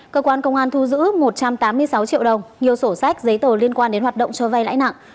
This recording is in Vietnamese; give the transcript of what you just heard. cơ quan công an thu giữ một trăm tám mươi sáu triệu đồng nhiều sổ sách giấy tờ liên quan đến hoạt động cho vay lãi nặng